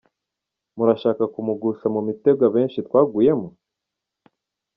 Murashaka kumugusha mu mitego abenshi twaguyemo ?